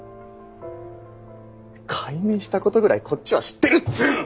改名した事ぐらいこっちは知ってるっつーの！